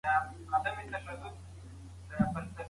که حضوري زده کړه منظمه وي، نو د نظم احساس زیاتېږي.